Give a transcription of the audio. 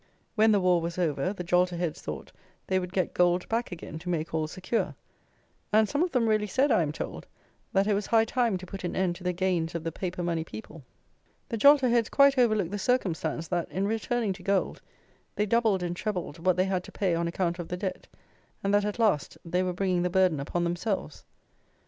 When the war was over, the jolterheads thought they would get gold back again to make all secure; and some of them really said, I am told, that it was high time to put an end to the gains of the paper money people. The jolterheads quite overlooked the circumstance that, in returning to gold, they doubled and trebled what they had to pay on account of the debt, and that, at last, they were bringing the burden upon themselves.